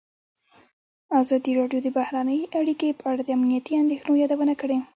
ازادي راډیو د بهرنۍ اړیکې په اړه د امنیتي اندېښنو یادونه کړې.